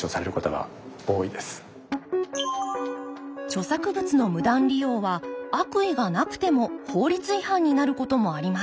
著作物の無断利用は悪意がなくても法律違反になることもあります。